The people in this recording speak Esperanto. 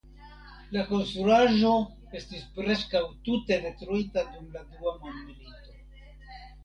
La konstruaĵo estis preskaŭ tute detruita dum la Dua Mondmilito.